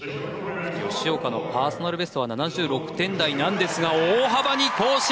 吉岡のパーソナルベストは７６点台なんですが大幅に更新！